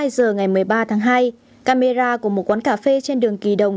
hai mươi giờ ngày một mươi ba tháng hai camera của một quán cà phê trên đường kỳ đồng